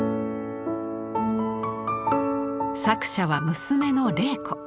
作者は娘の麗子。